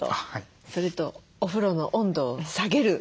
それとお風呂の温度を下げる。